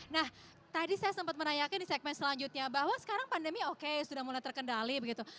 nah tadi saya sempat menanyakan di segmen selanjutnya bahwa sekarang pandemi oke sudah mulai terkendali begitu